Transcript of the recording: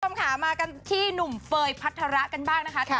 คำถามมากันที่หนุ่มเฟย์พัฒรากันบ้างนะคะ